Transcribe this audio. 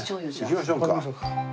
行きましょうか。